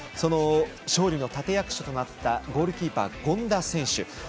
勝利の立役者となったゴールキーパー、権田選手。